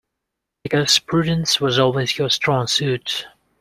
Because prudence was always your strong suit.